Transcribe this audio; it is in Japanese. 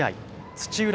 土浦